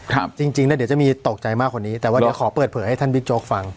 จริงจริงแล้วเดี๋ยวจะมีตกใจมากกว่านี้แต่ว่าเดี๋ยวขอเปิดเผยให้ท่านบิ๊กโจ๊กฟัง